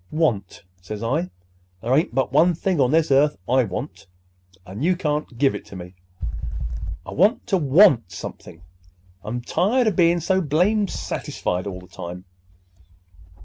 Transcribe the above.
'Want?' says I. 'There ain't but one thing on this earth I want, and you can't give it to me. I want to want something. I'm tired of bein' so blamed satisfied all the time!